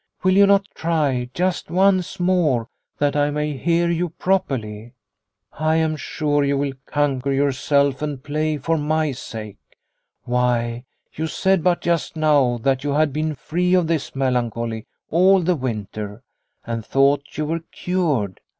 Will you not try just once more, that I may hear you properly? I am sure you will conquer yourself and play for my sake. Why, you said but just now that you had been free of this melancholy all the winter, and thought you were cured.